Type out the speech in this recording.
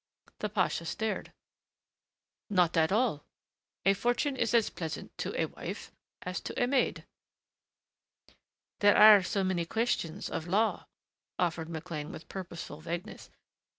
The pasha stared. "Not at all. A fortune is as pleasant to a wife as to a maid." "There are so many questions of law," offered McLean with purposeful vagueness.